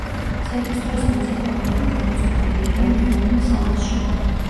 ცეკვის დროს მოცეკვავეები გამოწყობილი არიან ეროვნულ სამოსში.